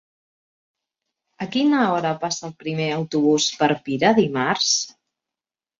A quina hora passa el primer autobús per Pira dimarts?